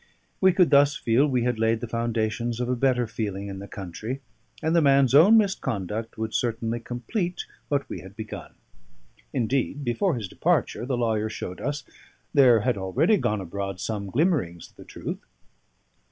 We could thus feel we had laid the foundations of a better feeling in the country, and the man's own misconduct would certainly complete what we had begun. Indeed, before his departure, the lawyer showed us there had already gone abroad some glimmerings of the truth.